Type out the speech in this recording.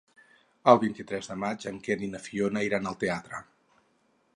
El vint-i-tres de maig en Quer i na Fiona iran al teatre.